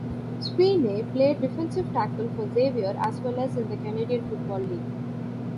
Sweeney, played defensive tackle for Xavier as well as in the Canadian Football League.